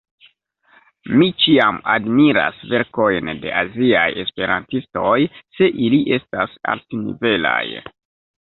Mi ĉiam admiras verkojn de aziaj esperantistoj, se ili estas altnivelaj.